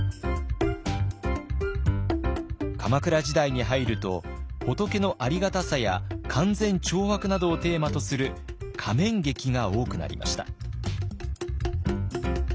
鎌倉時代に入ると仏のありがたさや勧善懲悪などをテーマとする仮面劇が多くなりました。